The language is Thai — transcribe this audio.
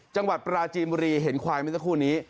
จังหวัดปราจีนบุรีเห็นควายเมื่อสักครู่นี้